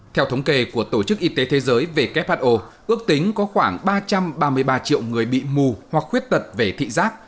theo thống kê của tổ chức y tế thế giới who ước tính có khoảng ba trăm ba mươi ba triệu người bị mù hoặc khuyết tật về thị giác